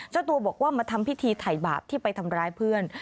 เจ้าตัวบอกว่ามาทำพิธีถ่ายบาปที่ไปทำร้ายเพื่อน